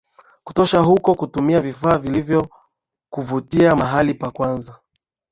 kutosha huko kutumia vifaa vilivyokuvutia mahali pa kwanza